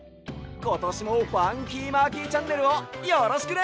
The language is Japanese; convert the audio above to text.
ことしも「ファンキーマーキーチャンネル」をよろしくね！